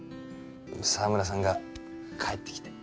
澤村さんが帰ってきて。